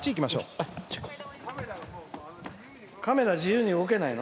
カメラ、自由に動けないの？